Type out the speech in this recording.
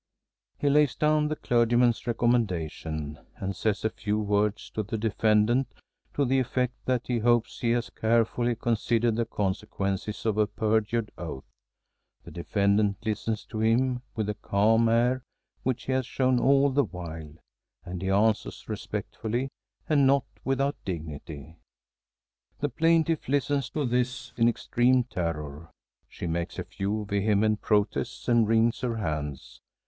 He lays down the clergyman's recommendation and says a few words to the defendant to the effect that he hopes he has carefully considered the consequences of a perjured oath. The defendant listens to him with the calm air which he has shown all the while, and he answers respectfully and not without dignity. The plaintiff listens to this in extreme terror. She makes a few vehement protests and wrings her hands.